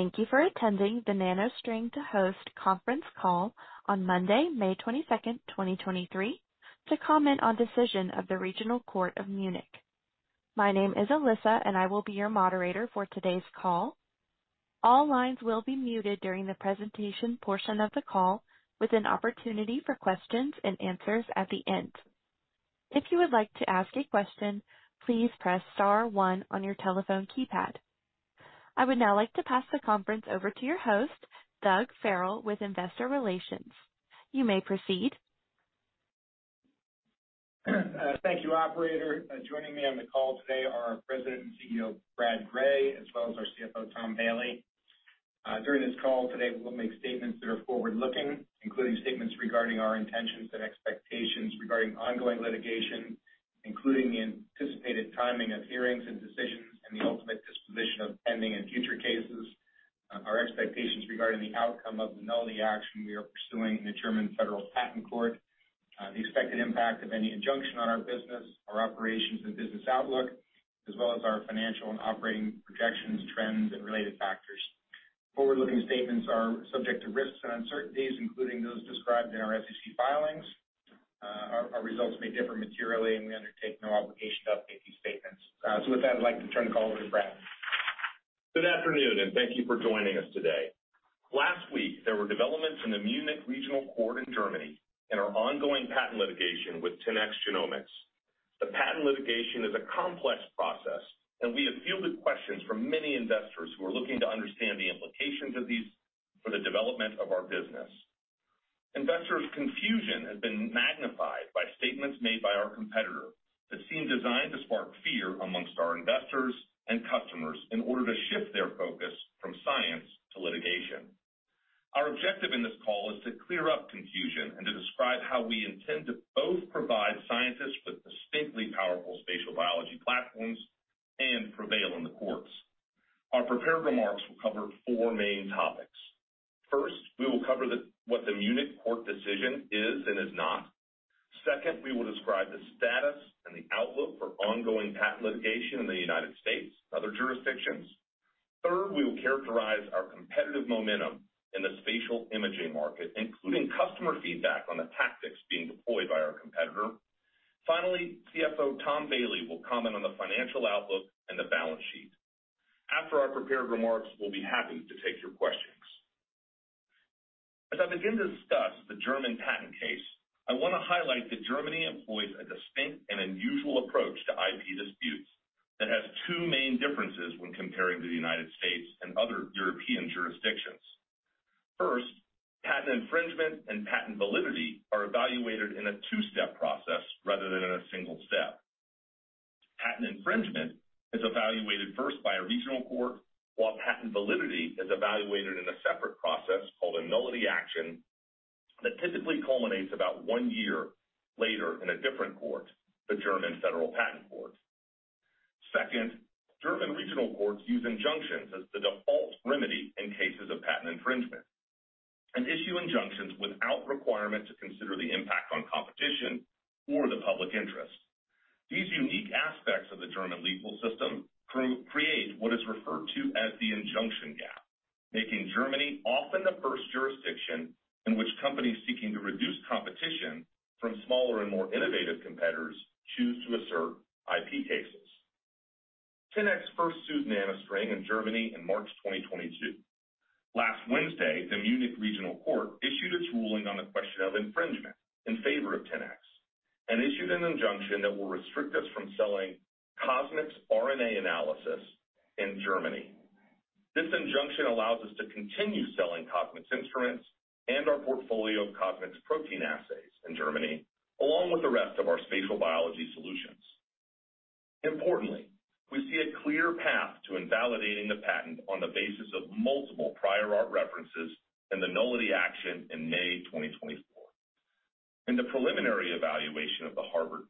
Thank you for attending the NanoString to host conference call on Monday, 22 May 2023 to comment on decision of the Munich Regional Court. My name is Alyssa. I will be your moderator for today's call. All lines will be muted during the presentation portion of the call with an opportunity for questions and answers at the end. If you would like to ask a question, please press star one on your telephone keypad. I would now like to pass the conference over to your host, Doug Farrell, with investor relations. You may proceed. Thank you, operator. Joining me on the call today are our President and CEO, Brad Gray, as well as our CFO, Tom Bailey. During this call today, we'll make statements that are forward-looking, including statements regarding our intentions and expectations regarding ongoing litigation, including the anticipated timing of hearings and decisions and the ultimate disposition of pending and future cases, our expectations regarding the outcome of the nullity action we are pursuing in the German Federal Patent Court, the expected impact of any injunction on our business, our operations and business outlook, as well as our financial and operating projections, trends, and related factors. Forward-looking statements are subject to risks and uncertainties, including those described in our SEC filings. Our results may differ materially, and we undertake no obligation to update these statements. With that, I'd like to turn the call over to Brad. Good afternoon. Thank you for joining us today. Last week, there were developments in the Munich Regional Court in Germany and our ongoing patent litigation with 10x Genomics. The patent litigation is a complex process. We have fielded questions from many investors who are looking to understand the implications of these for the development of our business. Investors' confusion has been magnified by statements made by our competitor that seem designed to spark fear among our investors and customers in order to shift their focus from science to litigation. Our objective in this call is to clear up confusion and to describe how we intend to both provide scientists with distinctly powerful spatial biology platforms and prevail in the courts. Our prepared remarks will cover four main topics. First, we will cover what the Munich court decision is and is not. We will describe the status and the outlook for ongoing patent litigation in the U.S. and other jurisdictions. We will characterize our competitive momentum in the spatial imaging market, including customer feedback on the tactics being deployed by our competitor. CFO Tom Bailey will comment on the financial outlook and the balance sheet. After our prepared remarks, we'll be happy to take your questions. As I begin to discuss the German patent case, I wanna highlight that Germany employs a distinct and unusual approach to IP disputes that has two main differences when comparing to the U.S. and other European jurisdictions. Patent infringement and patent validity are evaluated in a two-step process rather than in a single step. Patent infringement is evaluated first by a regional court, while patent validity is evaluated in a separate process called a nullity action that typically culminates about one year later in a different court, the German Federal Patent Court. Second, German regional courts use injunctions as the default remedy in cases of patent infringement and issue injunctions without requirement to consider the impact on competition or the public interest. These unique aspects of the German legal system create what is referred to as the injunction gap, making Germany often the first jurisdiction in which companies seeking to reduce competition from smaller and more innovative competitors choose to assert IP cases. 10x first sued NanoString in Germany in March 2022. Last Wednesday, the Munich Regional Court issued its ruling on the question of infringement in favor of 10x and issued an injunction that will restrict us from selling CosMx RNA analysis in Germany. This injunction allows us to continue selling CosMx instruments and our portfolio of CosMx protein assays in Germany, along with the rest of our spatial biology solutions. Importantly, we see a clear path to invalidating the patent on the basis of multiple prior art references and the nullity action in May 2024. In the preliminary evaluation of the Harvard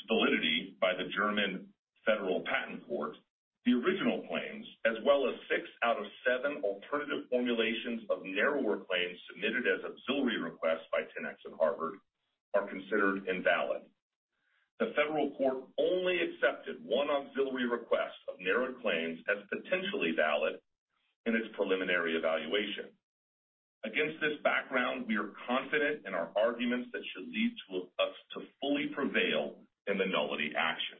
patent's validity by the German Federal Patent Court, the original claims, as well as six out of seven alternative formulations of narrower claims submitted as auxiliary requests by 10x and Harvard, are considered invalid. The federal court only accepted one auxiliary request of narrowed claims as potentially valid in its preliminary evaluation. Against this background, we are confident in our arguments that should lead to us to fully prevail in the nullity action.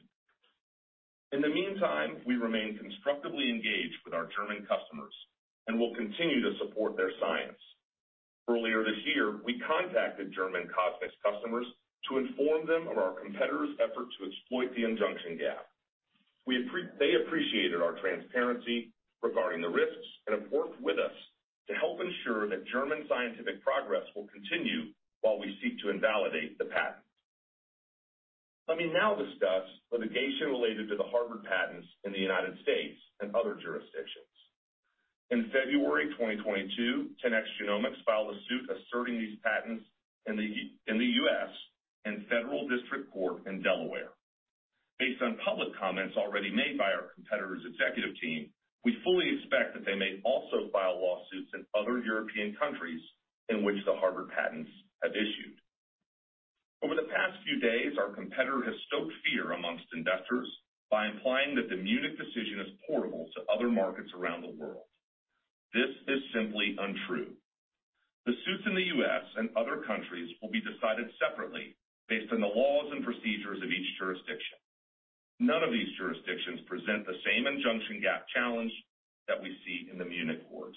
In the meantime, we remain constructively engaged with our German customers and will continue to support their science. Earlier this year, we contacted German CosMx customers to inform them of our competitor's effort to exploit the injunction gap. They appreciated our transparency regarding the risks and have worked with us to help ensure that German scientific progress will continue while we seek to invalidate the patent. Let me now discuss litigation related to the Harvard patents in the United States and other jurisdictions. In February 2022, 10x Genomics filed a suit asserting these patents in the U.S. in Federal District Court in Delaware. Based on public comments already made by our competitor's executive team, we fully expect that they may also file lawsuits in other European countries in which the Harvard patents have issued. Few days, our competitor has stoked fear amongst investors by implying that the Munich decision is portable to other markets around the world. This is simply untrue. The suits in the U.S. and other countries will be decided separately based on the laws and procedures of each jurisdiction. None of these jurisdictions present the same injunction gap challenge that we see in the Munich courts.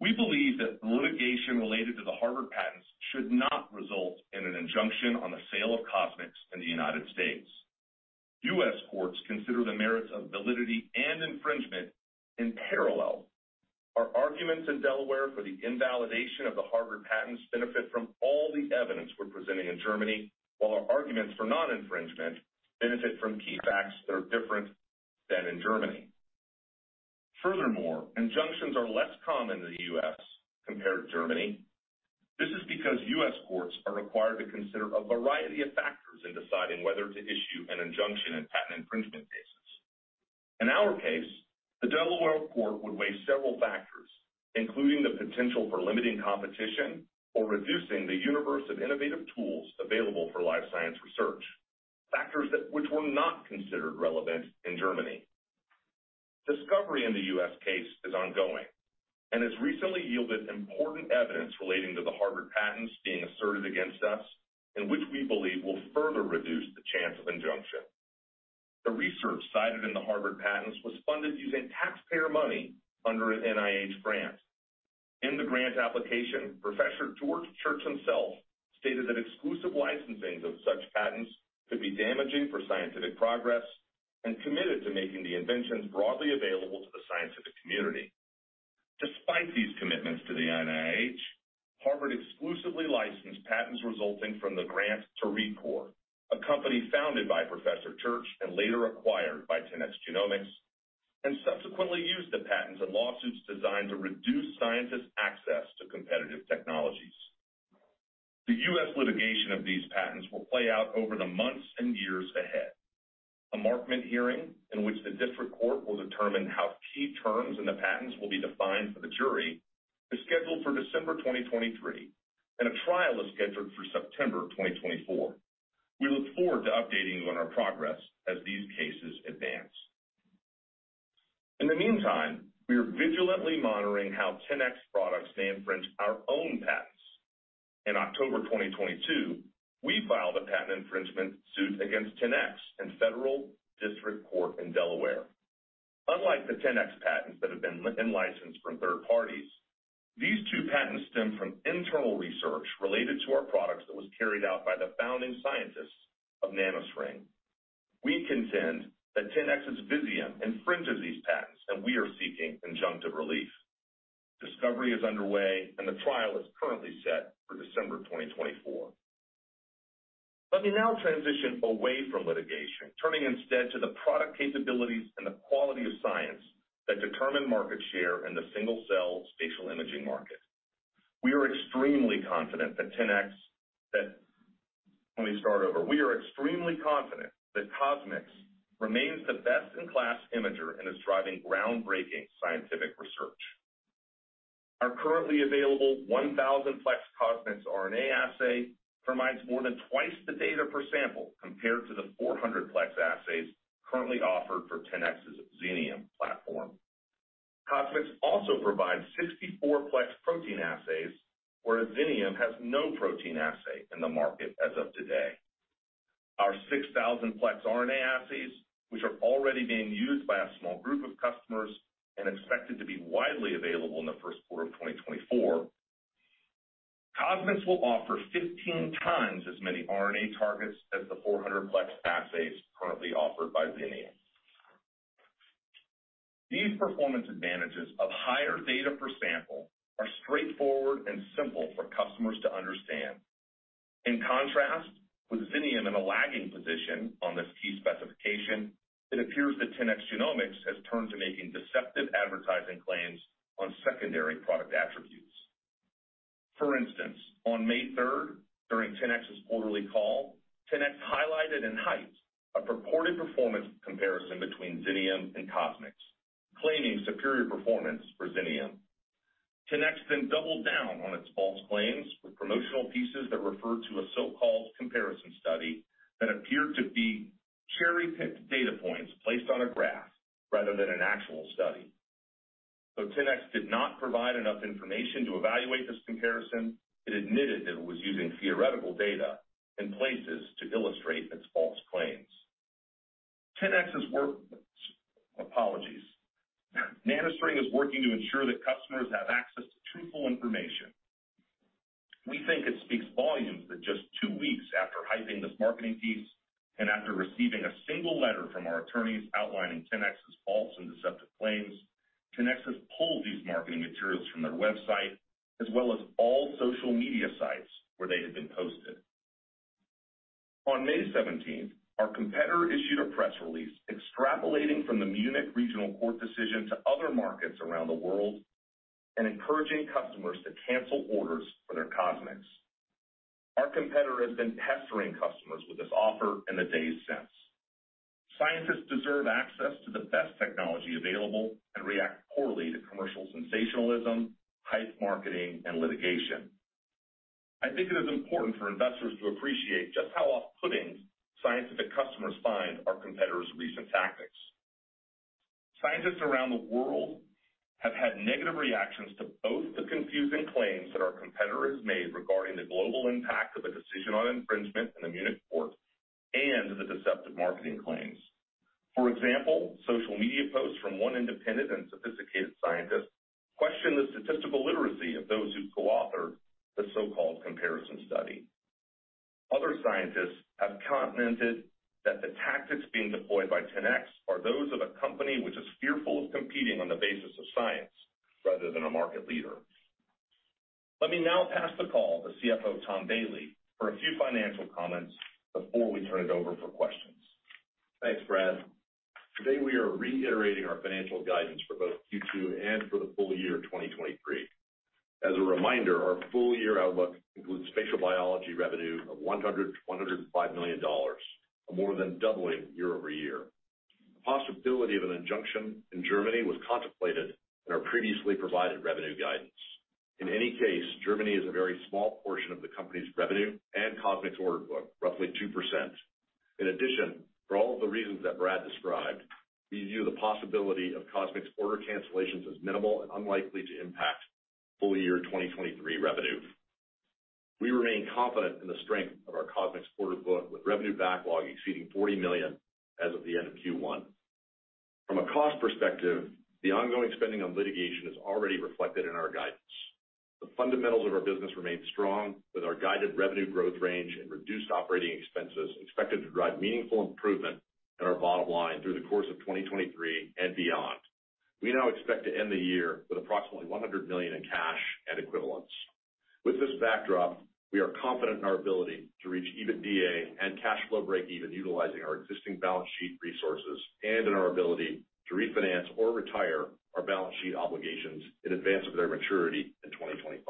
We believe that the litigation related to the Harvard patents should not result in an injunction on the sale of CosMx in the United States. U.S. courts consider the merits of validity and infringement in parallel. Our arguments in Delaware for the invalidation of the Harvard patents benefit from all the evidence we're presenting in Germany, while our arguments for non-infringement benefit from key facts that are different than in Germany. Injunctions are less common in the U.S. compared to Germany. This is because U.S. courts are required to consider a variety of factors in deciding whether to issue an injunction in patent infringement cases. In our case, the Delaware Court would weigh several factors, including the potential for limiting competition or reducing the universe of innovative tools available for life science research, factors that which were not considered relevant in Germany. Discovery in the U.S. case is ongoing and has recently yielded important evidence relating to the Harvard patents being asserted against us, and which we believe will further reduce the chance of injunction. The research cited in the Harvard patents was funded using taxpayer money under an NIH grant. In the grant application, Professor George Church himself stated that exclusive licensing of such patents could be damaging for scientific progress and committed to making the inventions broadly available to the scientific community. Despite these commitments to the NIH, Harvard exclusively licensed patents resulting from the grant to ReadCoor, a company founded by Professor Church and later acquired by 10x Genomics, and subsequently used the patents and lawsuits designed to reduce scientists' access to competitive technologies. The U.S. litigation of these patents will play out over the months and years ahead. A Markman hearing, in which the district court will determine how key terms in the patents will be defined for the jury, is scheduled for December 2023, and a trial is scheduled for September 2024. We look forward to updating you on our progress as these cases advance. In the meantime, we are vigilantly monitoring how 10x products may infringe our own patents. In October 2022, we filed a patent infringement suit against 10x in Federal District Court in Delaware. Unlike the 10x patents that have been in license from third parties, these two patents stem from internal research related to our products that was carried out by the founding scientists of NanoString. We contend that 10x's Visium infringes these patents, and we are seeking injunctive relief. Discovery is underway, and the trial is currently set for December 2024. Let me now transition away from litigation, turning instead to the product capabilities and the quality of science that determine market share in the single-cell spatial imaging market. Let me start over. We are extremely confident that CosMx remains the best-in-class imager and is driving groundbreaking scientific research. Our currently available 1,000-plex CosMx RNA assay provides more than twice the data per sample compared to the 400-plex assays currently offered for 10x's Xenium platform. CosMx also provides 64-plex protein assays, whereas Xenium has no protein assay in the market as of today. Our 6,000-plex RNA assays, which are already being used by a small group of customers and expected to be widely available in the first quarter of 2024, CosMx will offer 15 times as many RNA targets as the 400-plex assays currently offered by Xenium. These performance advantages of higher data per sample are straightforward and simple for customers to understand. In contrast, with Xenium in a lagging position on this key specification, it appears that 10x Genomics has turned to making deceptive advertising claims on secondary product attributes. On 3 May, during 10x's quarterly call, 10x highlighted and hyped a purported performance comparison between Xenium and CosMx, claiming superior performance for Xenium. 10x doubled down on its false claims with promotional pieces that refer to a so-called comparison study that appeared to be cherry-picked data points placed on a graph rather than an actual study. Though 10x did not provide enough information to evaluate this comparison, it admitted that it was using theoretical data in places to illustrate its false claims. NanoString is working to ensure that customers have access to truthful information. We think it speaks volumes that just two weeks after hyping this marketing piece and after receiving a single letter from our attorneys outlining 10x's false and deceptive claims, 10x has pulled these marketing materials from their website as well as all social media sites where they had been posted. On 17 May, our competitor issued a press release extrapolating from the Munich Regional Court decision to other markets around the world and encouraging customers to cancel orders for their CosMx. Our competitor has been pestering customers with this offer in the days since. Scientists deserve access to the best technology available and react poorly to commercial sensationalism, hype marketing, and litigation. I think it is important for investors to appreciate just how off-putting scientific customers find our competitors' recent tactics. Scientists around the world have had negative reactions to both the confusing claims that our competitor has made regarding the global impact of the decision on infringement in the Munich court and the deceptive marketing claims. For example, social media posts from one independent and sophisticated scientist question the statistical literacy of those who co-authored the so-called comparison study. Other scientists have commented that the tactics being deployed by 10x are those of a company which is fearful of competing on the basis of science rather than a market leader. Let me now pass the call to CFO Tom Bailey for a few financial comments before we turn it over for questions. Thanks, Brad. Today, we are reiterating our financial guidance for both Q2 and for the full year 2023. As a reminder, our full-year outlook includes spatial biology revenue of $100 million-$105 million, more than doubling year-over-year. The possibility of an injunction in Germany was contemplated in our previously provided revenue guidance. In any case, Germany is a very small portion of the company's revenue, and CosMx order book, roughly 2%. In addition, for all of the reasons that Brad described, we view the possibility of CosMx order cancellations as minimal and unlikely to impact full year 2023 revenue. We remain confident in the strength of our CosMx order book, with revenue backlog exceeding $40 million as of the end of Q1. From a cost perspective, the ongoing spending on litigation is already reflected in our guidance. The fundamentals of our business remain strong, with our guided revenue growth range and reduced operating expenses expected to drive meaningful improvement in our bottom line through the course of 2023 and beyond. We now expect to end the year with approximately $100 million in cash and equivalents. With this backdrop, we are confident in our ability to reach EBITDA and cash flow breakeven utilizing our existing balance sheet resources and in our ability to refinance or retire our balance sheet obligations in advance of their maturity in 2025.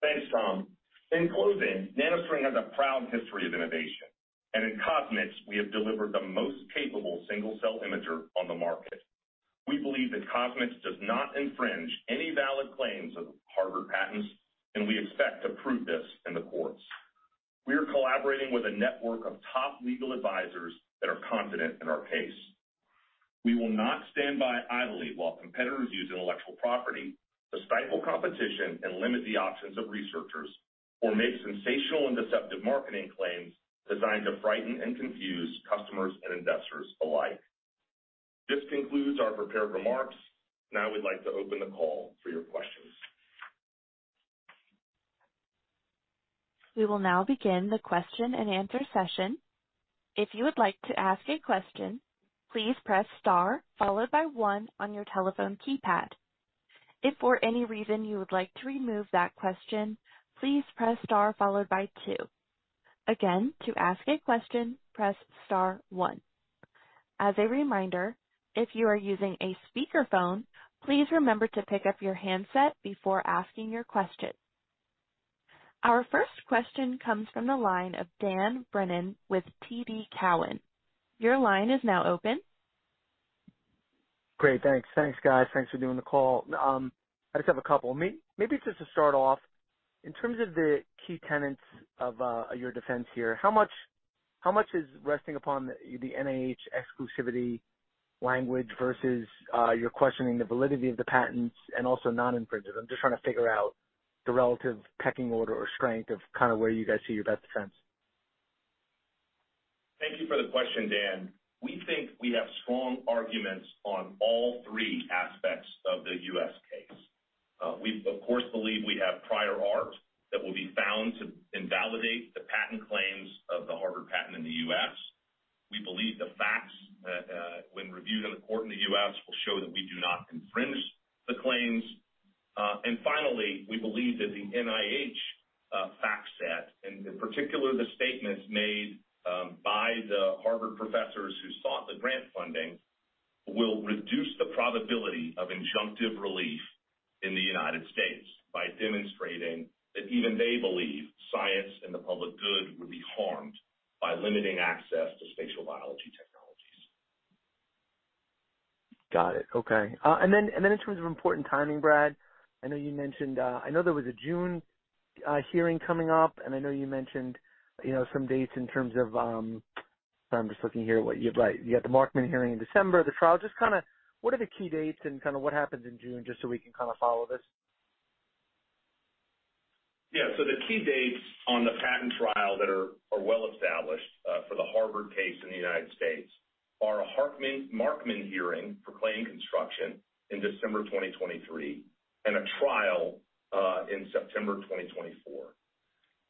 Thanks, Tom. In closing, NanoString has a proud history of innovation. In CosMx, we have delivered the most capable single-cell imager on the market. We believe that CosMx does not infringe any valid claims of Harvard patents. We expect to prove this in the courts. We are collaborating with a network of top legal advisors that are confident in our case. We will not stand by idly while competitors use intellectual property to stifle competition and limit the options of researchers or make sensational and deceptive marketing claims designed to frighten and confuse customers and investors alike. This concludes our prepared remarks. We'd like to open the call for your questions. We will now begin the question-and-answer session. If you would like to ask a question, please press star followed by one on your telephone keypad. If for any reason you would like to remove that question, please press star followed by two. Again, to ask a question, press star one. As a reminder, if you are using a speakerphone, please remember to pick up your handset before asking your question. Our first question comes from the line of Dan Brennan with TD Cowen. Your line is now open. Great. Thanks. Thanks, guys. Thanks for doing the call. I just have a couple. Maybe just to start off, in terms of the key tenets of your defense here, how much is resting upon the NIH exclusivity language versus you're questioning the validity of the patents and also non-infringement? I'm just trying to figure out the relative pecking order or strength of kinda where you guys see your best defense. Thank you for the question, Dan. We think we have strong arguments on all three aspects of the U.S. case. We, of course, believe we have prior art that will be found to invalidate the patent claims of the Harvard patent in the U.S. We believe the facts, when reviewed in a court in the U.S., will show that we do not infringe the claims. Finally, we believe that the NIH fact set, and in particular, the statements made by the Harvard professors who sought the grant funding, will reduce the probability of injunctive relief in the United States by demonstrating that even they believe science and the public good will be harmed by limiting access to spatial biology technologies. Got it. Okay. In terms of important timing, Brad, I know you mentioned, I know there was a June hearing coming up, and I know you mentioned, you know, some dates in terms of. Sorry, I'm just looking here what you have right. You have the Markman hearing in December, the trial. Just kinda what are the key dates and kinda what happens in June, just so we can kinda follow this? Yeah. The key dates on the patent trial that are well established for the Harvard case in the United States are a Markman hearing for claim construction in December 2023 and a trial in September 2024.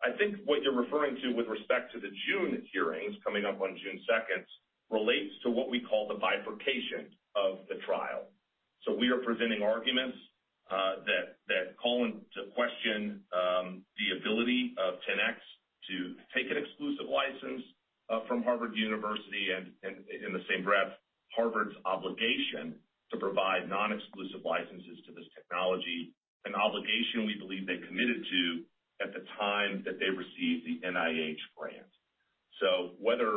I think what you're referring to with respect to the June hearings coming up on 2 June relates to what we call the bifurcation of the trial. We are presenting arguments that call into question the ability of 10x to take an exclusive license from Harvard University and in the same breath-Harvard's obligation to provide non-exclusive licenses to this technology, an obligation we believe they committed to at the time that they received the NIH grant. Whether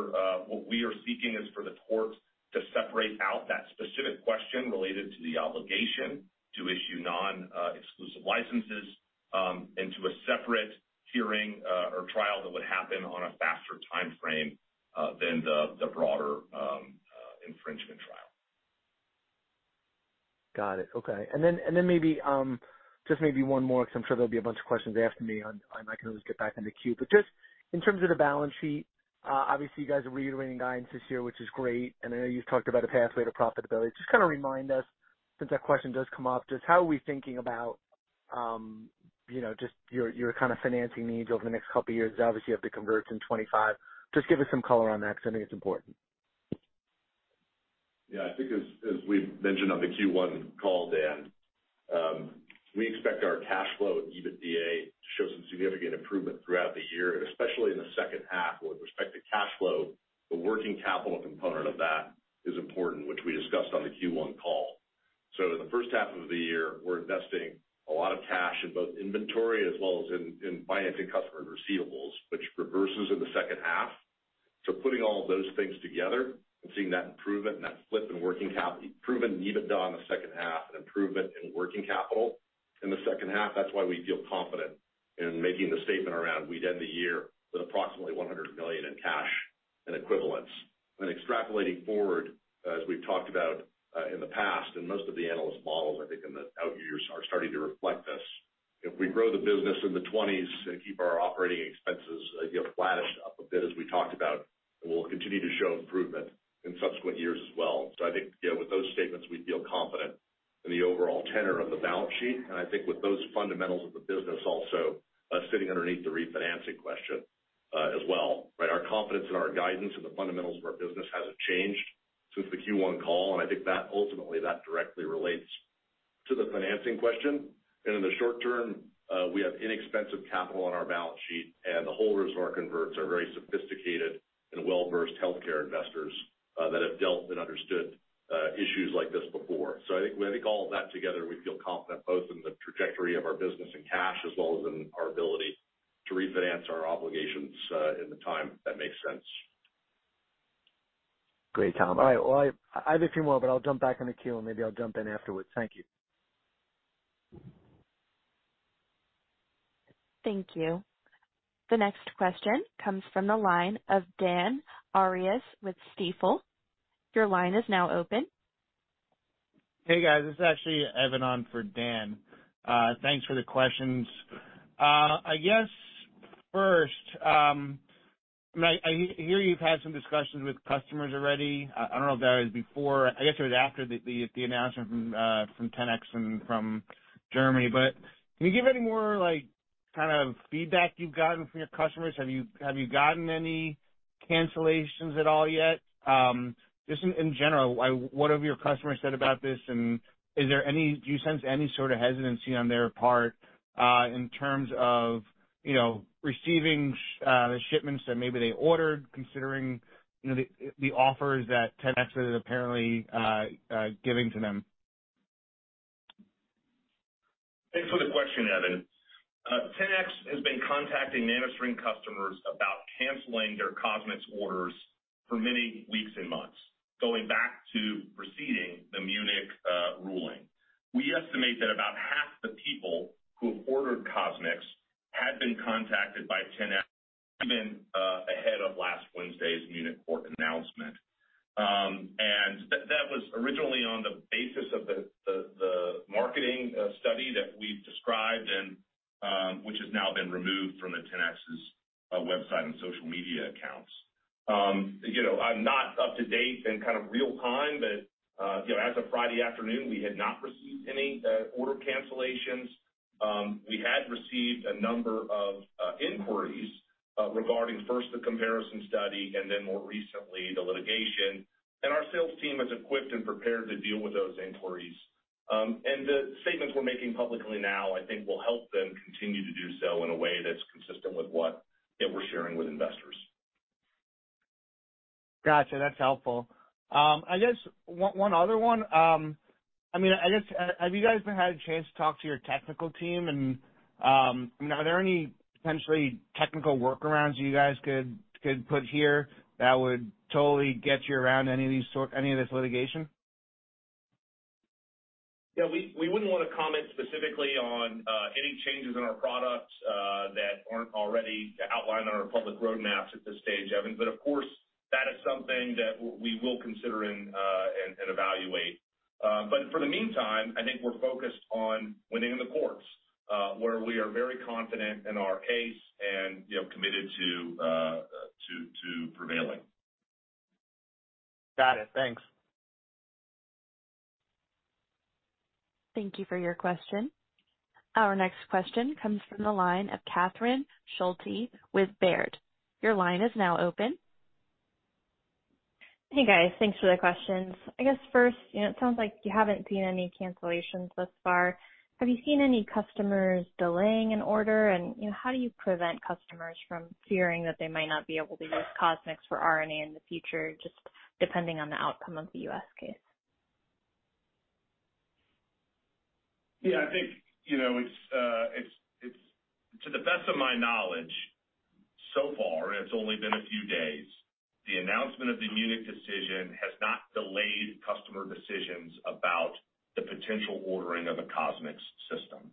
what we are seeking is for the court to separate out that specific question related to the obligation to issue non-exclusive licenses into a separate hearing or trial that would happen on a faster timeframe than the broader infringement trial. Got it. Okay. Maybe just maybe one more because I'm sure there'll be a bunch of questions after me and I can always get back in the queue. Just in terms of the balance sheet, obviously you guys are reiterating guidance this year, which is great. I know you've talked about a pathway to profitability. Just kind of remind us, since that question does come up, just how are we thinking about, you know, just your kind of financing needs over the next couple of years? Obviously, you have to convert in 2025. Just give us some color on that because I think it's important. I think as we've mentioned on the Q1 call, Dan, we expect our cash flow and EBITDA to show some significant improvement throughout the year, and especially in the second half. With respect to cash flow, the working capital component of that is important, which we discussed on the Q1 call. In the first half of the year, we're investing a lot of cash in both inventory as well as in financing customer receivables, which reverses in the second half. Putting all of those things together and seeing that improvement and that flip in working capital, improvement in EBITDA in the second half, an improvement in working capital in the second half, that's why we feel confident in making the statement around we'd end the year with approximately $100 million in cash and equivalents. When extrapolating forward, as we've talked about, in the past, and most of the analyst models, I think in the out years are starting to reflect this, if we grow the business in the twenties and keep our operating expenses, you know, flattish up a bit as we talked about, we'll continue to show improvement in subsequent years as well. I think, you know, with those statements, we feel confident in the overall tenor of the balance sheet, and I think with those fundamentals of the business also, sitting underneath the refinancing question, as well, right? Our confidence in our guidance and the fundamentals of our business hasn't changed since the Q1 call, and I think that ultimately that directly relates to the financing question. In the short term, we have inexpensive capital on our balance sheet, and the holders of our converts are very sophisticated and well-versed healthcare investors, that have dealt and understood issues like this before. I think all of that together, we feel confident both in the trajectory of our business and cash as well as in our ability to refinance our obligations, in the time that makes sense. Great, Tom. All right. Well, I have a few more, but I'll jump back in the queue, and maybe I'll jump in afterwards. Thank you. Thank you. The next question comes from the line of Dan Arias with Stifel. Your line is now open. Hey, guys. This is actually Evan on for Dan. Thanks for the questions. I guess first, I hear you've had some discussions with customers already. I don't know if that was before. I guess it was after the announcement from 10x and from Germany. Can you give any more like kind of feedback you've gotten from your customers? Have you gotten any cancellations at all yet? Just in general, what have your customers said about this and do you sense any sort of hesitancy on their part, in terms of, you know, receiving the shipments that maybe they ordered considering, you know, the offers that 10x is apparently giving to them? Thanks for the question, Evan. 10x has been contacting NanoString customers about canceling their CosMx orders for many weeks and months, going back to preceding the Munich ruling. We estimate that about half the people who have ordered CosMx had been contacted by 10x even ahead of last Wednesday's Munich court announcement. That was originally on the basis of the marketing study that we've described, which has now been removed from the 10x's website and social media accounts. You know, I'm not up to date in kind of real time, but, you know, as of Friday afternoon, we had not received any order cancellations. We had received a number of inquiries regarding first the comparison study and then more recently the litigation, and our sales team is equipped and prepared to deal with those inquiries. The statements we're making publicly now, I think, will help them continue to do so in a way that's consistent with what, you know, we're sharing with investors. Gotcha. That's helpful. I guess one other one, I mean, I guess, have you guys been had a chance to talk to your technical team and, you know, are there any potentially technical workarounds you guys could put here that would totally get you around any of this litigation? We wouldn't wanna comment specifically on any changes in our products that aren't already outlined on our public roadmaps at this stage, Evan. Of course, that is something that we will consider and evaluate. For the meantime, I think we're focused on winning in the courts, where we are very confident in our case and, you know, committed to prevailing. Got it. Thanks. Thank you for your question. Our next question comes from the line of Catherine Schulte with Baird. Your line is now open. Hey, guys. Thanks for the questions. I guess first, you know, it sounds like you haven't seen any cancellations thus far. Have you seen any customers delaying an order? How do you prevent customers from fearing that they might not be able to use CosMx for RNA in the future, just depending on the outcome of the U.S. case? Yeah, I think, you know, it's to the best of my knowledge, so far, and it's only been a few days, the announcement of the Munich decision has not delayed customer decisions about the potential ordering of a CosMx system.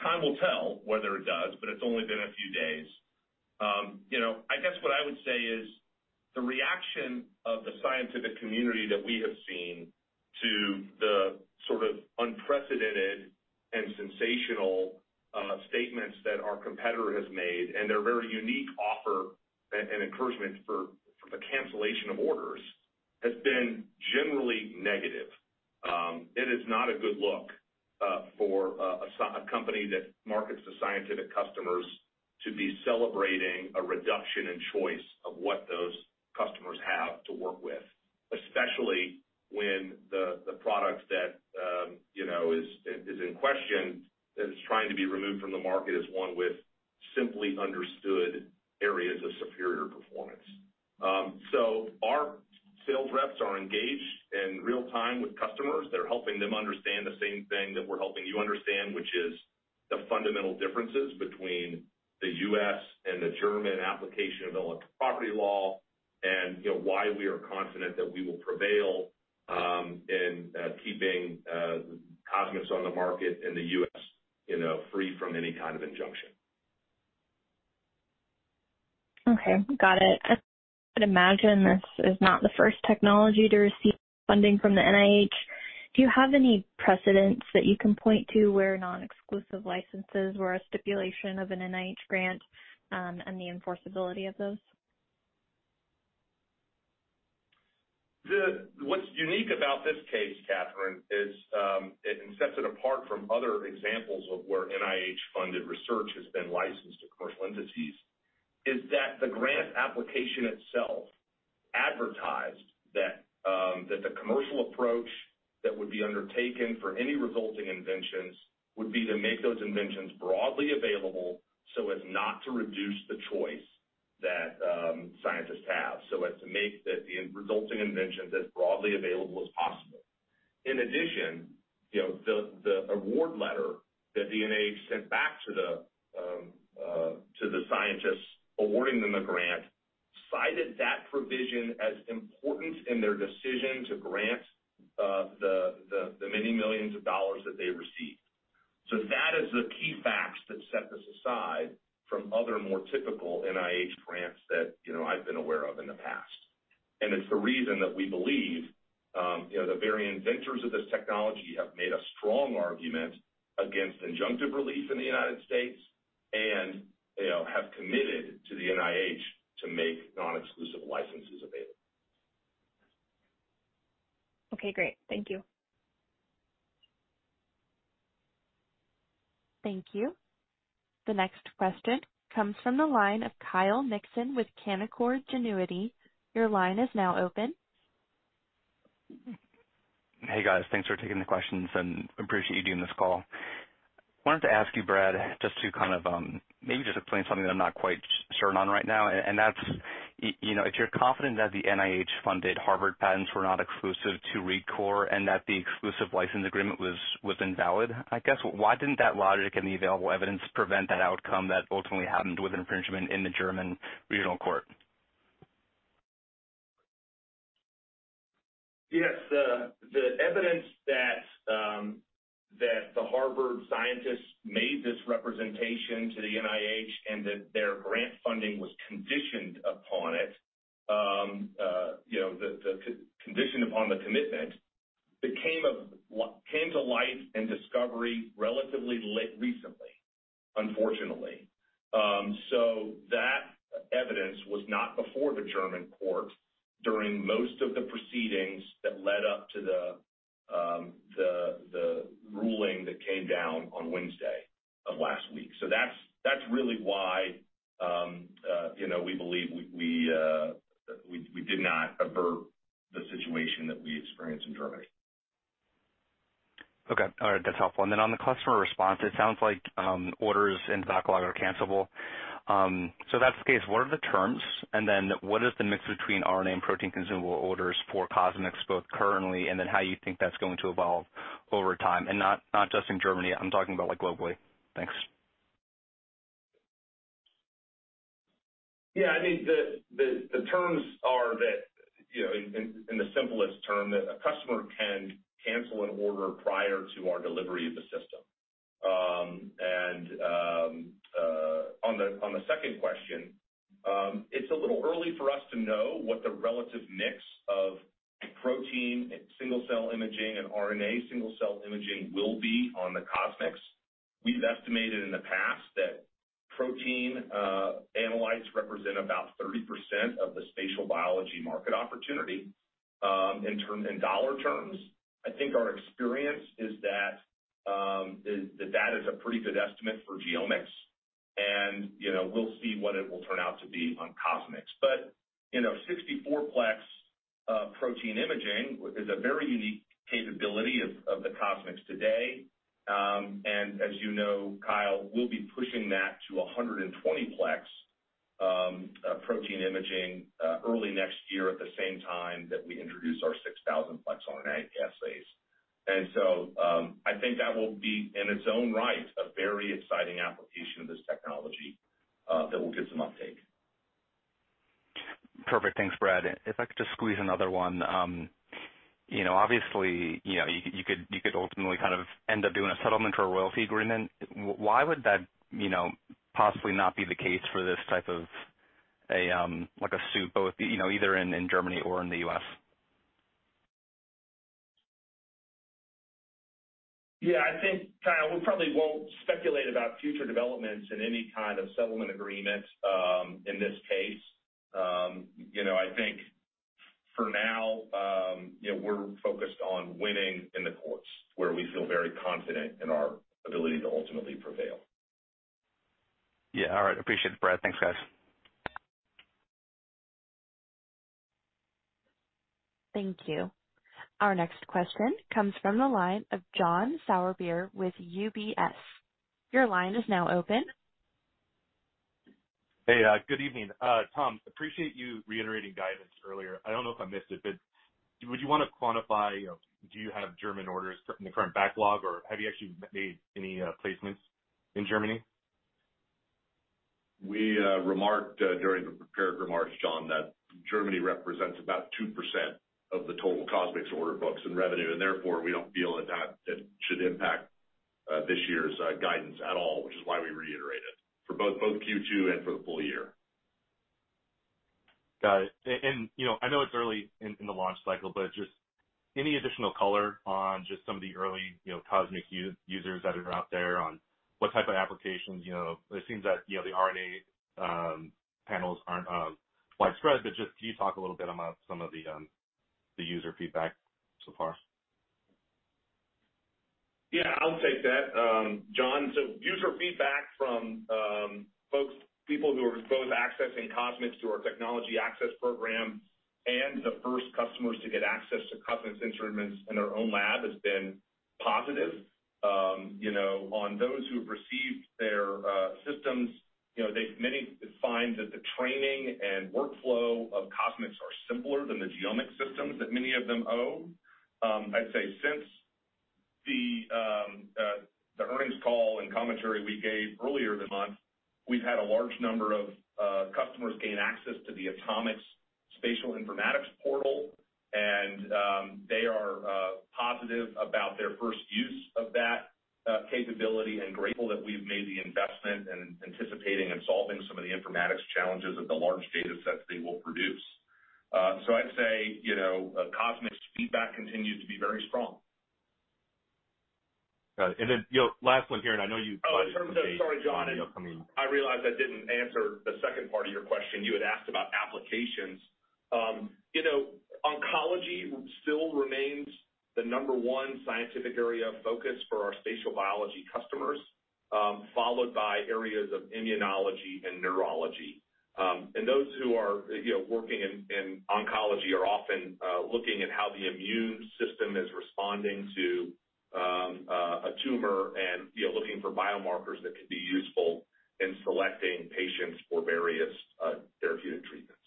Time will tell whether it does, but it's only been a few days. You know, I guess what I would say is the reaction of the scientific community that we have seen to the sort of unprecedented and sensational statements that our competitor has made, and their very unique offer and encouragement for the cancellation of orders has been generally negative. It is not a good look for a company that markets to scientific customers to be celebrating a reduction in choice of what those customers have to work with, especially when the products that, you know, is in question and is trying to be removed from the market is one with simply understood areas of superior performance. Our sales reps are engaged in real time with customers. They're helping them understand the same thing that we're helping you understand, which is the fundamental differences between the U.S. and the German application of intellectual property law and, you know, why we are confident that we will prevail in keeping CosMx on the market in the U.S., you know, free from any kind of injunction. Okay. Got it. I would imagine this is not the first technology to receive funding from the NIH. Do you have any precedents that you can point to where non-exclusive licenses were a stipulation of an NIH grant, and the enforceability of those? What's unique about this case, Catherine, is, and sets it apart from other examples of where NIH-funded research has been licensed to commercial entities, is that the grant application itself advertised that the commercial approach that would be undertaken for any resulting inventions would be to make those inventions broadly available so as not to reduce the choice that scientists have. As to make the resulting inventions as broadly available as possible. In addition, you know, the award letter that the NIH sent back to the scientists awarding them the grant cited that provision as important in their decision to grant the many millions of dollars that they received. That is the key facts that set this aside from other more typical NIH grants that, you know, I've been aware of in the past. It's the reason that we believe, you know, the very inventors of this technology have made a strong argument against injunctive relief in the United States and, you know, have committed to the NIH to make non-exclusive licenses available. Okay, great. Thank you. Thank you. The next question comes from the line of Kyle Mikson with Canaccord Genuity. Your line is now open. Hey, guys. Thanks for taking the questions and appreciate you doing this call. Wanted to ask you, Brad, just to kind of, maybe just explain something that I'm not quite certain on right now, and that's, you know, if you're confident that the NIH-funded Harvard patents were not exclusive to ReadCoor and that the exclusive license agreement was invalid, I guess, why didn't that logic and the available evidence prevent that outcome that ultimately happened with infringement in the German regional court? The evidence that the Harvard scientists made this representation to the NIH and that their grant funding was conditioned upon it, you know, the conditioned upon the commitment, came to life and discovery relatively late recently, unfortunately. That evidence was not before the German court during most of the proceedings that led up to the ruling that came down on Wednesday of last week. That's really why, you know, we believe we did not aver the situation that we experienced in Germany. Okay. All right. That's helpful. On the customer response, it sounds like orders in backlog are cancelable. If that's the case, what are the terms? What is the mix between RNA and protein consumable orders for CosMx both currently and then how you think that's going to evolve over time? Not just in Germany, I'm talking about like globally. Thanks. Yeah. I mean, the terms are that, you know, in the simplest term, that a customer can cancel an order prior to our delivery of the system. On the second question, it's a little early for us to know what the relative mix of protein and single-cell imaging and RNA single-cell imaging will be on the CosMx. We've estimated in the past that protein analytes represent about 30% of the spatial biology market opportunity in dollar terms. I think our experience is that that is a pretty good estimate for GeoMx. You know, we'll see what it will turn out to be on CosMx. You know, 64-plex protein imaging is a very unique capability of the CosMx today. As you know, Kyle, we'll be pushing that to 120 plex-Protein imaging early next year at the same time that we introduce our 6,000 plex RNA assays. I think that will be, in its own right, a very exciting application of this technology that will get some uptake. Perfect. Thanks, Brad. If I could just squeeze another one. You know, obviously, you know, you could ultimately kind of end up doing a settlement or a royalty agreement. Why would that, you know, possibly not be the case for this type of a, like, a suit, both, you know, either in Germany or in the U.S.? Yeah, I think, Kyle, we probably won't speculate about future developments in any kind of settlement agreement in this case. You know, I think for now, you know, we're focused on winning in the courts where we feel very confident in our ability to ultimately prevail. Yeah. All right. Appreciate it, Brad. Thanks, guys. Thank you. Our next question comes from the line of John Sourbeer with UBS. Your line is now open. Hey, good evening. Tom, appreciate you reiterating guidance earlier. I don't know if I missed it, but would you wanna quantify or do you have German orders in the current backlog, or have you actually made any placements in Germany? We remarked during the prepared remarks, John, that Germany represents about 2% of the total CosMx order books and revenue, and therefore, we don't feel that that should impact this year's guidance at all, which is why we reiterate it for both Q2 and for the full year. Got it. you know, I know it's early in the launch cycle, but just any additional color on just some of the early, you know, CosMx users that are out there on what type of applications, you know. It seems that, you know, the RNA panels aren't widespread, but just can you talk a little bit about some of the user feedback so far? Yeah, I'll take that, John. User feedback from folks, people who are both accessing CosMx through our Technology Access Program and the first customers to get access to CosMx instruments in their own lab has been positive. You know, on those who have received their systems, you know, they many find that the training and workflow of CosMx are simpler than the GeoMx systems that many of them own. I'd say since the earnings call and commentary we gave earlier in the month, we've had a large number of customers gain access to the AtoMx Spatial Informatics Portal, and they are positive about their first use of that capability and grateful that we've made the investment in anticipating and solving some of the informatics challenges of the large datasets they will produce. I'd say, you know, CosMx feedback continues to be very strong. Got it. Then, you know, last one here. Oh, in terms of sorry, John. I realized I didn't answer the second part of your question. You had asked about applications. You know, oncology still remains the number one scientific area of focus for our spatial biology customers, followed by areas of immunology and neurology. Those who are, you know, working in oncology are often looking at how the immune system is responding to a tumor and, you know, looking for biomarkers that could be useful in selecting patients for various therapeutic treatments.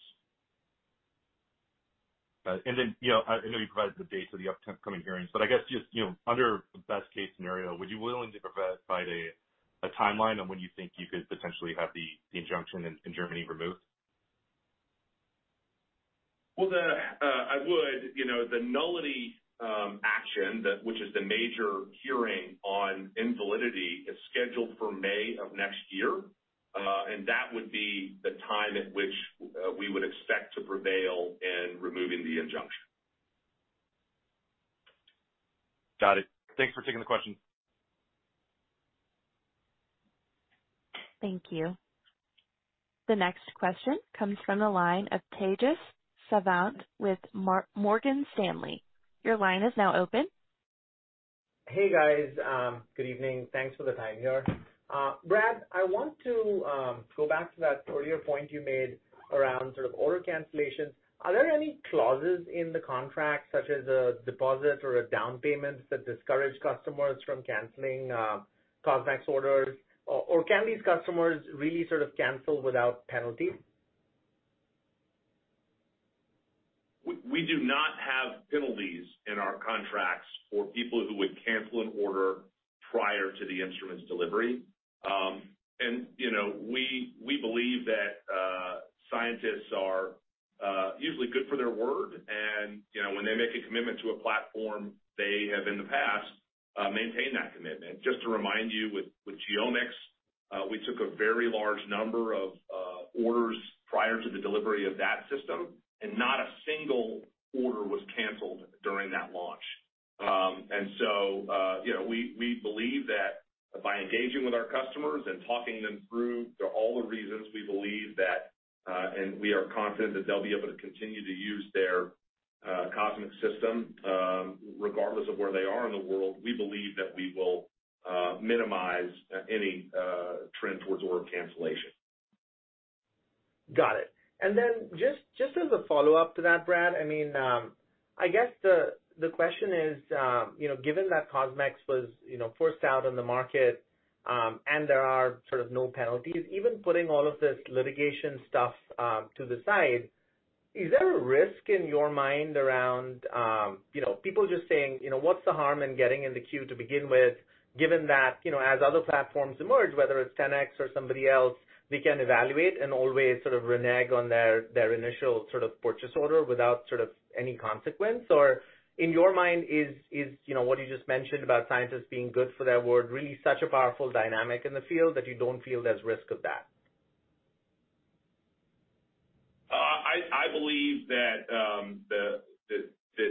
Got it. Then, you know, I know you provided the dates of the upcoming hearings, but I guess just, you know, under the best-case scenario, would you willing to provide a timeline on when you think you could potentially have the injunction in Germany removed? You know, the nullity action, which is the major hearing on invalidity, is scheduled for May of next year. That would be the time at which we would expect to prevail in removing the injunction. Got it. Thanks for taking the question. Thank you. The next question comes from the line of Tejas Savant with Morgan Stanley. Your line is now open. Hey, guys. Good evening. Thanks for the time here. Brad, I want to go back to that earlier point you made around sort of order cancellations. Are there any clauses in the contract, such as a deposit or a down payment, that discourage customers from canceling CosMx orders? Or can these customers really sort of cancel without penalty? We do not have penalties in our contracts for people who would cancel an order prior to the instrument's delivery. You know, we believe that scientists are usually good for their word and, you know, when they make a commitment to a platform, they have in the past maintained that commitment. Just to remind you with GeoMx, we took a very large number of orders prior to the delivery of that system, and not a single order was canceled during that launch. You know, we believe that by engaging with our customers and talking them through to all the reasons we believe that, and we are confident that they'll be able to continue to use their CosMx system, regardless of where they are in the world, we believe that we will minimize any trend towards order cancellation. Got it. Then just as a follow-up to that, Brad, I mean, I guess the question is, you know, given that CosMx was, you know, first out in the market, and there are sort of no penalties. Even putting all of this litigation stuff to the side, is there a risk in your mind around, you know, people just saying, you know, what's the harm in getting in the queue to begin with, given that, you know, as other platforms emerge, whether it's 10x or somebody else, they can evaluate and always sort of renege on their initial sort of purchase order without sort of any consequence? Or in your mind, is, you know, what you just mentioned about scientists being good for their word, really such a powerful dynamic in the field that you don't feel there's risk of that? I believe that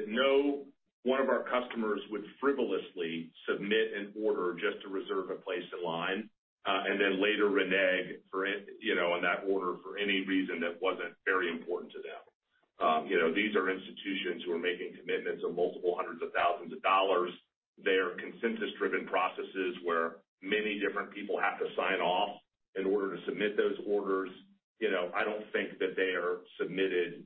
no one of our customers would frivolously submit an order just to reserve a place in line, and then later renege for, you know, on that order for any reason that wasn't very important to them. You know, these are institutions who are making commitments of multiple hundreds of thousands of dollars. They are consensus-driven processes where many different people have to sign off in order to submit those orders. You know, I don't think that they are submitted,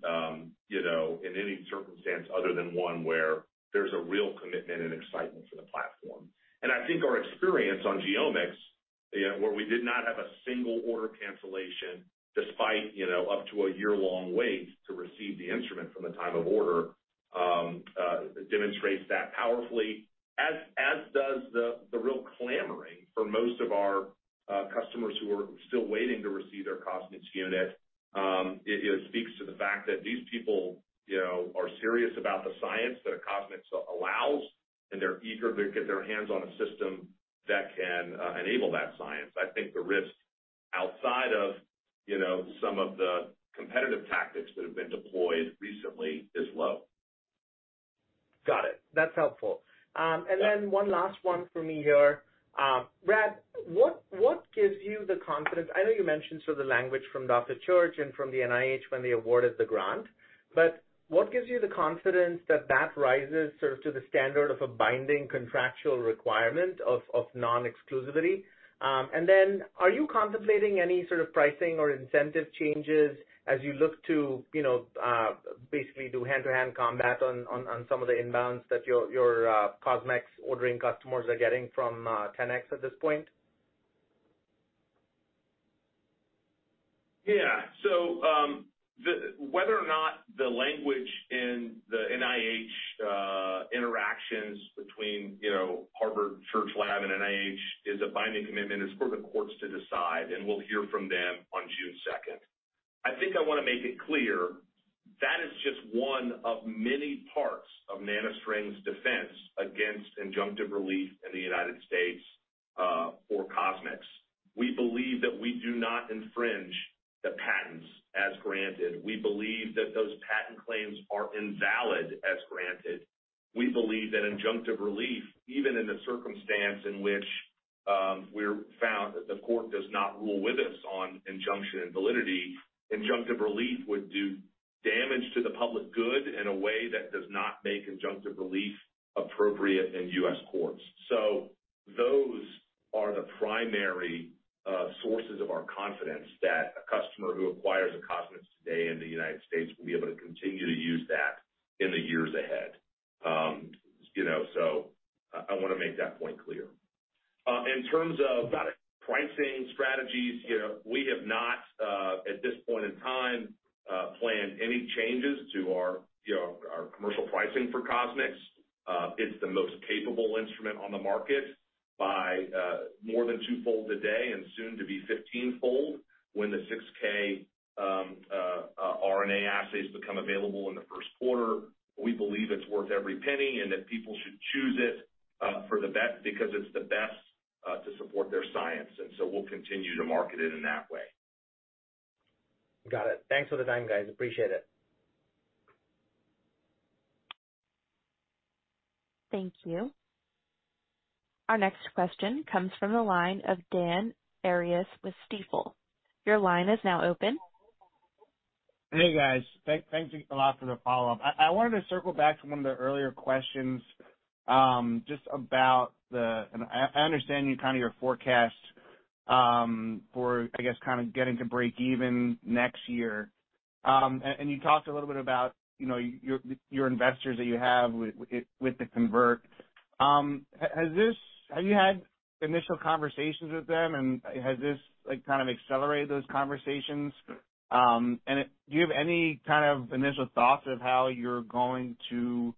you know, in any circumstance other than one where there's a real commitment and excitement for the platform. I think our experience on GeoMx, you know, where we did not have a single order cancellation despite, you know, up to a year-long wait to receive the instrument from the time of order, demonstrates that powerfully, as does the real clamoring for most of our customers who are still waiting to receive their CosMx unit. It speaks to the fact that these people, you know, are serious about the science that a CosMx allows, and they're eager to get their hands on a system that can enable that science. I think the risk outside of, you know, some of the competitive tactics that have been deployed recently is low. Got it. That's helpful. One last one for me here. Brad, what gives you the confidence. I know you mentioned sort of the language from Dr. Church and from the NIH when they awarded the grant, but what gives you the confidence that that rises sort of to the standard of a binding contractual requirement of non-exclusivity? Are you contemplating any sort of pricing or incentive changes as you look to, you know, basically do hand-to-hand combat on some of the inbounds that your CosMx ordering customers are getting from 10x at this point? Yeah. Whether or not the language in the NIH interactions between, you know, Harvard Church Lab and NIH is a binding commitment is for the courts to decide, and we'll hear from them on 2 June. I think I wanna make it clear, that is just one of many parts of NanoString's defense against injunctive relief in the United States for CosMx. We believe that we do not infringe the patents as granted. We believe that those patent claims are invalid as granted. We believe that injunctive relief, even in the circumstance in which we're found that the court does not rule with us on injunction and validity, injunctive relief would do damage to the public good in a way that does not make injunctive relief appropriate in U.S. courts. Those are the primary sources of our confidence that a customer who acquires a CosMx today in the United States will be able to continue to use that in the years ahead. You know, I wanna make that point clear. In terms of pricing strategies, you know, we have not at this point in time planned any changes to our, you know, our commercial pricing for CosMx. It's the most capable instrument on the market by more than two-fold today and soon to be 15-fold when the 6K RNA assays become available in the first quarter. We believe it's worth every penny and that people should choose it for the best because it's the best to support their science. We'll continue to market it in that way. Got it. Thanks for the time, guys. Appreciate it. Thank you. Our next question comes from the line of Dan Arias with Stifel. Your line is now open. Hey, guys. Thank you a lot for the follow-up. I wanted to circle back to one of the earlier questions, just about the, I understand you kind of your forecast for, I guess, kind of getting to break even next year. You talked a little bit about, you know, your investors that you have with the convert. Have you had initial conversations with them and has this, like, kind of accelerated those conversations? Do you have any kind of initial thoughts of how you're going to,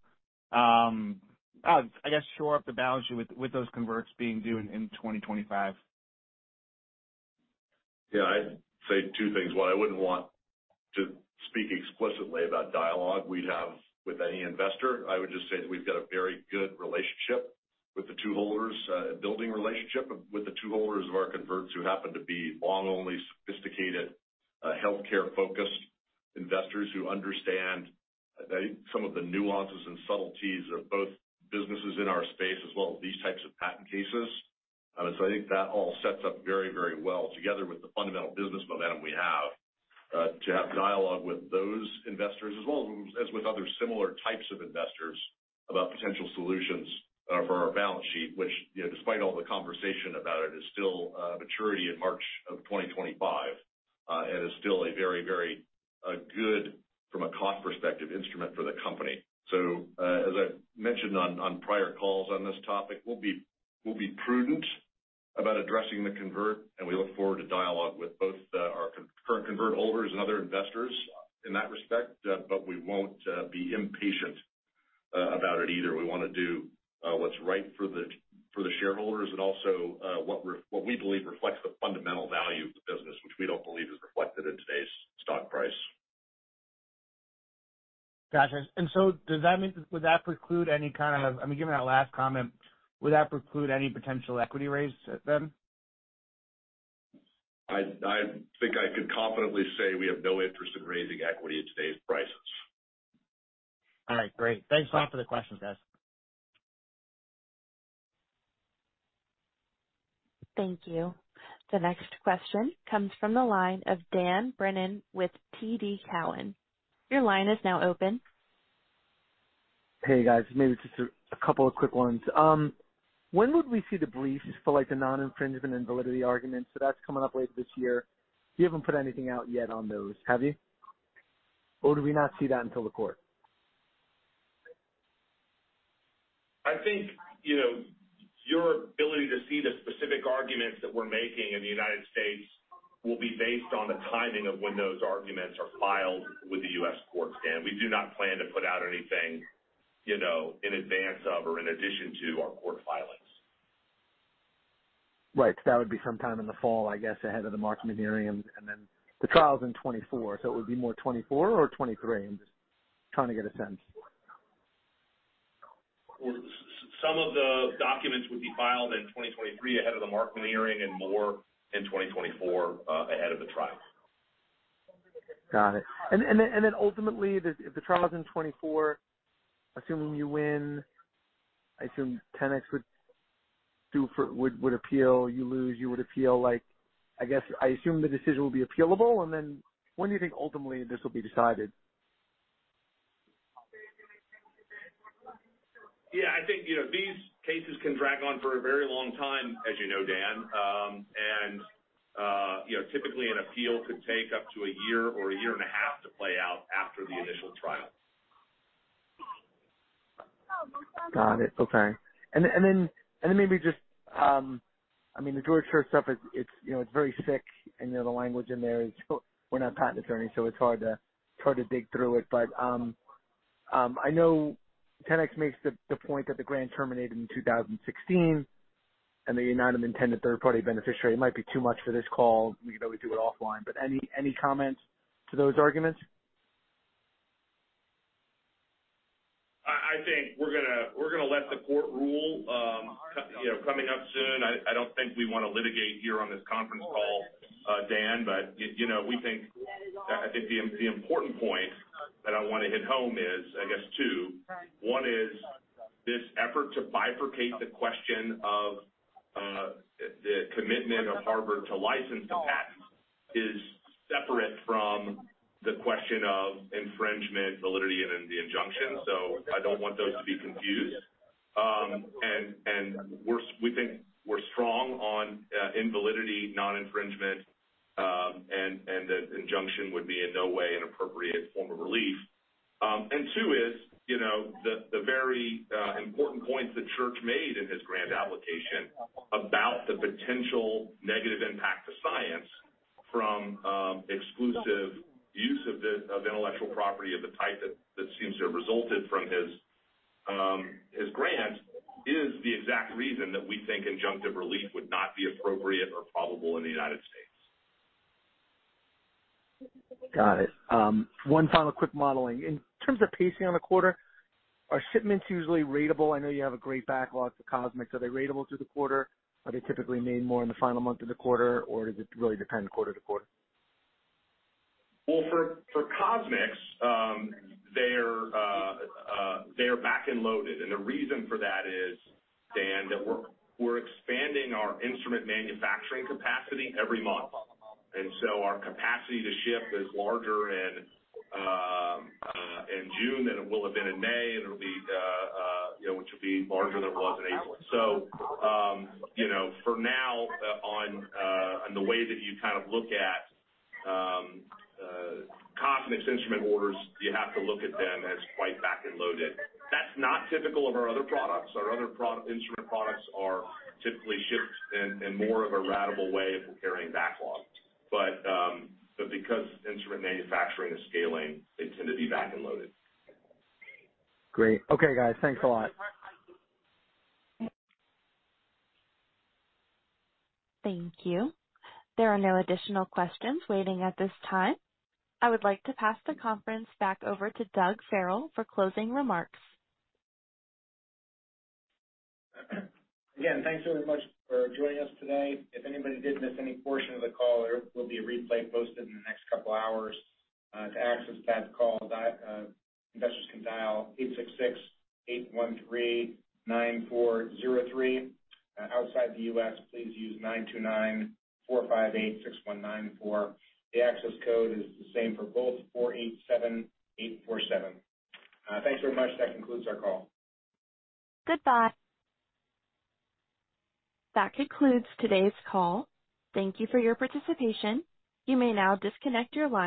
I guess, shore up the balance sheet with those converts being due in 2025? Yeah. I'd say two things. One, I wouldn't want to speak explicitly about dialogue we'd have with any investor. I would just say that we've got a very good relationship with the two holders, building relationship with the two holders of our converts who happen to be long only sophisticated, healthcare-focused investors who understand, I think, some of the nuances and subtleties of both businesses in our space as well as these types of patent cases. I think that all sets up very, very well together with the fundamental business momentum we have, to have dialogue with those investors as well as with other similar types of investors about potential solutions for our balance sheet, which, you know, despite all the conversation about it, is still maturity in March of 2025, and is still a very, very good from a cost perspective instrument for the company. As I've mentioned on prior calls on this topic, we'll be prudent about addressing the convert, and we look forward to dialogue with both our current convert holders and other investors in that respect, but we won't be impatient about it either. We wanna do what's right for the, for the shareholders and also what we believe reflects the fundamental value of the business, which we don't believe is reflected in today's stock price. Gotcha. Does that mean, would that preclude any kind of, I mean, given that last comment, would that preclude any potential equity raise then? I think I could confidently say we have no interest in raising equity at today's prices. All right, great. Thanks a lot for the questions, guys. Thank you. The next question comes from the line of Dan Brennan with TD Cowen. Your line is now open. Hey, guys. Maybe just a couple of quick ones. When would we see the briefs for, like, the non-infringement and validity arguments? That's coming up later this year. You haven't put anything out yet on those, have you? Or do we not see that until the court? I think, you know, your ability to see the specific arguments that we're making in the United States will be based on the timing of when those arguments are filed with the US court, Dan. We do not plan to put out anything, you know, in advance of or in addition to our court filings. That would be sometime in the fall, I guess, ahead of the Markman hearing, and then the trial's in 2024, so it would be more 2024 or 2023? I'm just trying to get a sense. Well, some of the documents would be filed in 2023 ahead of the Markman hearing and more in 2024 ahead of the trial. Got it. Then, ultimately, if the trial is in 2024, assuming you win, I assume 10x would appeal, you lose, you would appeal. Like, I guess I assume the decision will be appealable, and then when do you think ultimately this will be decided? Yeah, I think, you know, these cases can drag on for a very long time, as you know, Dan. You know, typically an appeal could take up to a year or a year and a half to play out after the initial trial. Got it. Okay. Maybe just, I mean, the George Church stuff, you know, it's very thick and, you know, the language in there is we're not patent attorneys, so it's hard to dig through it. I know 10x makes the point that the grant terminated in 2016 and that you're not an intended third-party beneficiary. It might be too much for this call. We could always do it offline. Any comments to those arguments? I think we're gonna let the court rule, you know, coming up soon. I don't think we wanna litigate here on this conference call, Dan. You know, I think the important point that I wanna hit home is, I guess, 2. 1 is this effort to bifurcate the question of the commitment of Harvard to license the patent is separate from the question of infringement validity and then the injunction. I don't want those to be confused. We think we're strong on invalidity, non-infringement, and the injunction would be in no way an appropriate form of relief. Two is, you know, the very important points that Church made in his grant application about the potential negative impact to science from exclusive use of intellectual property of the type that seems to have resulted from his grant is the exact reason that we think injunctive relief would not be appropriate or probable in the United States. Got it. One final quick modeling. In terms of pacing on the quarter, are shipments usually ratable? I know you have a great backlog for CosMx. Are they ratable through the quarter? Are they typically made more in the final month of the quarter, or does it really depend quarter to quarter? Well, for CosMx, they're back and loaded, and the reason for that is, Dan, that we're expanding our instrument manufacturing capacity every month. Our capacity to ship is larger in June than it will have been in May, and it'll be, you know, which will be larger than it was in April. You know, for now, on the way that you kind of look at CosMx instrument orders, you have to look at them as quite back and loaded. That's not typical of our other products. Our other instrument products are typically shipped in more of a ratable way if we're carrying backlog. Because instrument manufacturing is scaling, they tend to be back and loaded. Great. Okay, guys. Thanks a lot. Thank you. There are no additional questions waiting at this time. I would like to pass the conference back over to Doug Farrell for closing remarks. Again, thanks very much for joining us today. If anybody did miss any portion of the call, there will be a replay posted in the next couple hours. To access that call, investors can dial 866-813-9403. Outside the U.S., please use 929-458-6194. The access code is the same for both, 487847. Thanks very much. That concludes our call. Goodbye. That concludes today's call. Thank you for your participation. You may now disconnect your line.